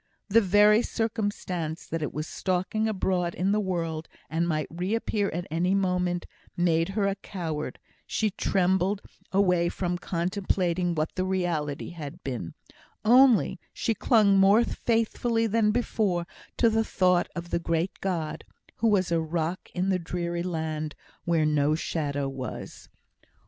The very circumstance that it was stalking abroad in the world, and might reappear at any moment, made her a coward: she trembled away from contemplating what the reality had been; only she clung more faithfully than before to the thought of the great God, who was a rock in the dreary land, where no shadow was.